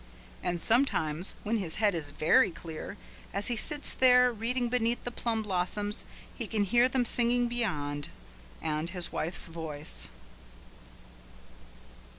And sometimes, when his head is very clear, as he sits there reading beneath the plum blossoms he can hear them singing beyond, and his wife's voice.